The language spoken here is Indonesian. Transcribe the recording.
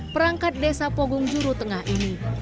perangkat desa pogung juru tengah ini